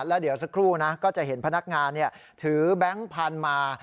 แล้วเดี๋ยวสักครู่นะก็จะเห็นพนักงานถือแบงค์พันธุ์มา